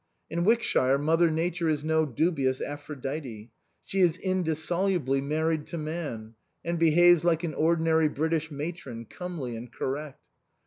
In Wickshire, Mother Nature is no dubious Aphrodite ; she is indissolubly married to man, and behaves like an ordinary British matron, comely and correct.